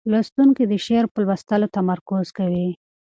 لوستونکی د شعر په لوستلو تمرکز کوي.